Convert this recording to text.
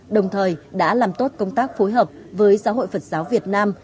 đồng thời đã làm tốt công tác phối hợp với giáo hội phật giáo việt nam